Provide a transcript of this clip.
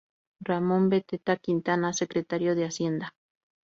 Ramón Beteta Quintana, secretario de Hacienda.